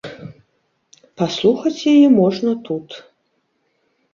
Паслухаць яе можна тут.